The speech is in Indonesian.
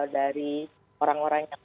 dari orang orang yang